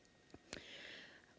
gue lahir dan tumbuh di jerman